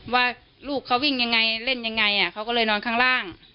ว่าลูกเขาวิ่งยังไงเล่นยังไงเขาก็เลยนอนข้างล่าง